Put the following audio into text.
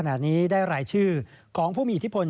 วันนี้ได้รายชื่อกองผู้มีที่ผล